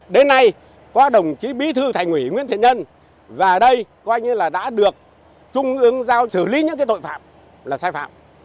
đến nay có đồng chí bí thư thành ủy nguyễn thị nhân và đây đã được trung ương giao xử lý những tội phạm là sai phạm